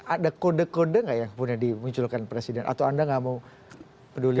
ada kode kode nggak yang kemudian dimunculkan presiden atau anda nggak mau peduli